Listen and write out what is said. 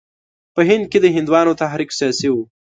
په هند کې د هندوانو تحریک سیاسي وو.